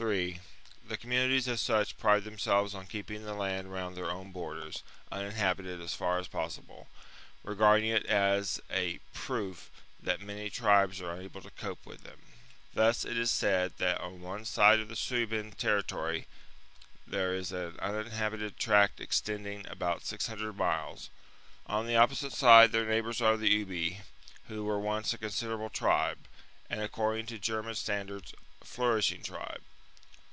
3. The communities as such pride themselves on keeping the land round their own borders lOO THE FATE OF THE book 55 B.C. uninhabited as far as possible, regarding it as a proof that many tribes are unable to cope with them. Thus it is said that on one side of the Sueban territory there is an uninhabited tract extending about six hundred miles. On the opposite side, their neighbours are the Ubii, who were once a considerable, and, according to German standards, flourishing tribe.